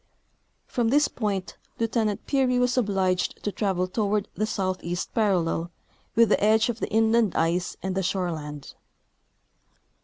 From this point Lieutenant Peary was obliged to travel toward the south east parallel with the edge of the inland ice and the shore land.